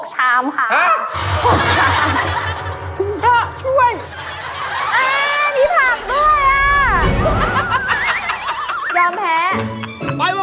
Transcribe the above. เจมส์มานี่เจมส์ด้วยก่อน